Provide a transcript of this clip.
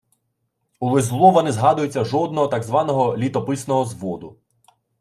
У Лизлова не згадується жодного так званого «літописного зводу»